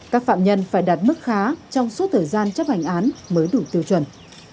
các phạm nhân phải đạt mức khá trong suốt thời gian chấp hành án mới đủ tiêu chuẩn